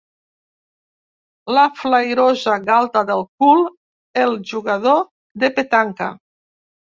La flairosa galta del cul el jugador de petanca.